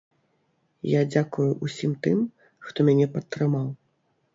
Я дзякую ўсім тым, хто мяне падтрымаў.